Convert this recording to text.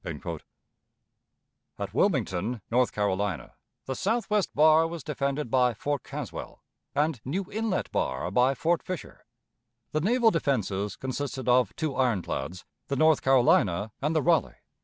At Wilmington, North Carolina, the Southwest bar was defended by Fort Caswell, and New Inlet bar by Fort Fisher. The naval defenses consisted of two ironclads, the North Carolina and the Raleigh.